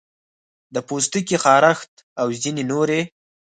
د پوستکي خارښت او ځینې نورې